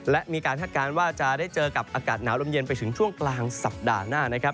และมีการคาดการณ์ว่าจะได้เจอกับอากาศหนาวลมเย็นไปถึงช่วงกลางสัปดาห์หน้านะครับ